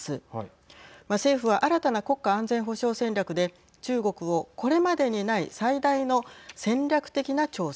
政府は新たな国家安全保障戦略で中国を、これまでにない最大の戦略的な挑戦